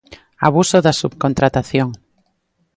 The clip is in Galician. Abuso da subcontratación.